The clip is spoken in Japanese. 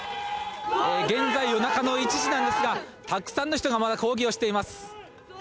現在夜中の１時なんですがたくさんの人がまだ抗議をしています。